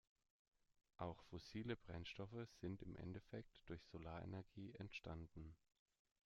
Auch fossile Brennstoffe sind im Endeffekt durch Solarenergie entstanden.